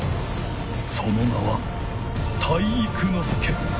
その名は体育ノ介！